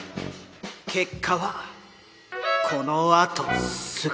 結果はこのあとすぐ。